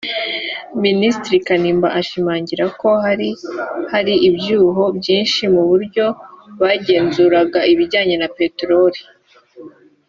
Minisitiri Kanimba ashimangira ko hari hari ibyuho byinshi mu buryo bagenzuraga ibijyanye na Peteroli